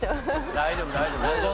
大丈夫大丈夫。